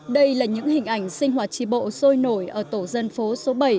đây là những hình ảnh sinh hoạt tri bộ sôi nổi ở tổ dân phố số bảy